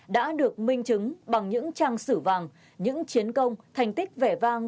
đã được minh chứng bằng những trang sử vàng những chiến công thành tích vẻ vang